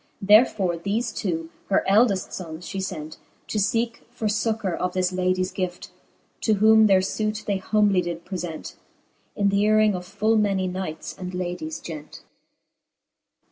Therefore theie two, her eldeft fonnss, fhe fent, To feeke for fuccour of this ladies gleft : To whom their fute they humbly did prelent, In th'hcaring of full many knights and ladies gent.